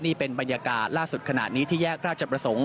นี่เป็นบรรยากาศล่าสุดขณะนี้ที่แยกราชประสงค์